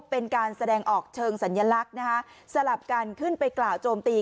เป็นการแสดงออกเชิงสัญลักษณ์นะคะสลับกันขึ้นไปกล่าวโจมตี